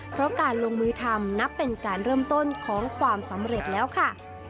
เพราะการลงมือทำนับเป็นการเริ่มต้นของความสำเร็จแล้วค่ะ